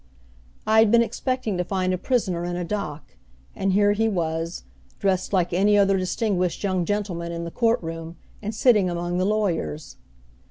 I had been expecting to find a prisoner in a dock, and here he was, dressed like any other distinguished young gentleman in the court room, and sitting among the lawyers.